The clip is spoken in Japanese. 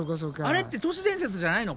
あれって都市伝説じゃないの？